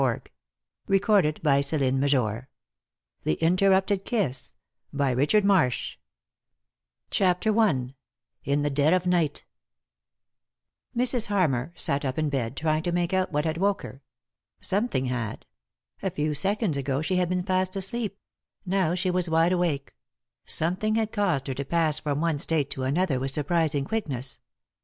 .313 ^igiii^d by Google THE INTERRUPTED KISS IN THE DEAD OF NIGHT Mrs. Harmar sat up in bed, trying to make oat what bad woke her. Something had. A few seconds ago she had been fast asleep ; now she was wide awake ; something had caused her to pass from one state to another with surprising quickness.